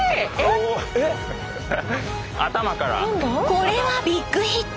これはビッグヒット！